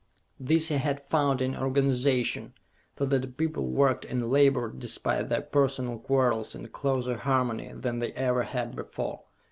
This he had found in organization, so that the people worked and labored, despite their personal quarrels, in closer harmony than they ever had before.